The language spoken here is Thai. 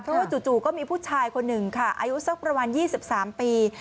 เพราะว่าจู่ก็มีผู้ชายคนหนึ่งค่ะอายุสักประมาณ๒๓ปี